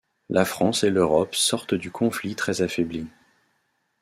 La France et l'Europe sortent du conflit très affaiblies.